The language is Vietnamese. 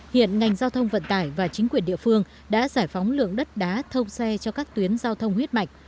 hiện ngành giao thông vận tải và chính quyền địa phương đã giải phóng lượng đất đá thông xe cho các tuyến giao thông huyết mạch